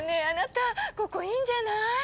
あなたここいいんじゃない？